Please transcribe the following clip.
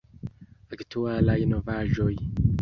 Aktualaj novaĵoj!